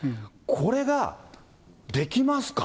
これができますか？